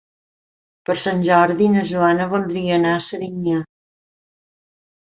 Per Sant Jordi na Joana voldria anar a Serinyà.